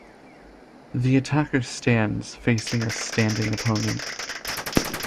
The attacker stands facing a standing opponent.